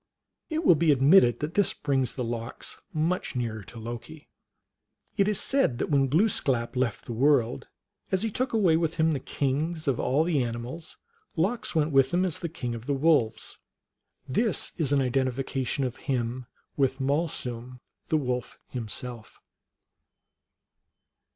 It will be admitted that this brings the Lox much nearer to Loki. It is said that when Glooskap ]eft the world, as he took away with him the kings of all the animals, Lox went with him as king of the Wolves. This is an identification of him with Malsum, the Wolf, himself.